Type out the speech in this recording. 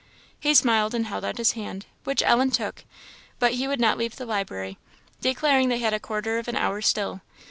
He smiled and held out his hand, which Ellen took, but he would not leave the library, declaring they had a quarter of an hour still.